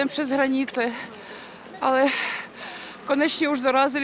tapi akhirnya mereka sudah tiba